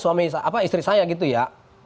suami apa istri saya gitu ya